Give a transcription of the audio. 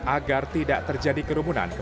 agar tidak terjadi kerumunan